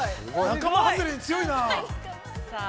仲間外れに強いなあ。